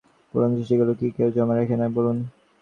পুরোনো চিঠিপত্র কি কেউ জমা করে রাখে, বলুন?